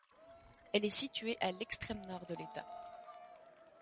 Elle est située à l'extrême nord de l'État.